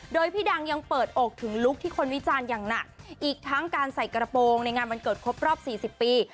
โดยพี่ดังยังเปิดอกถึงลุคที่คนวิจารณ์อย่างหนักอีกทั้งการใส่กระโปรงในงานวันเกิดครบรอบ๔๐ปี